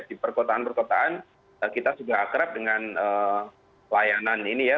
di perkotaan perkotaan kita sudah akrab dengan layanan ini ya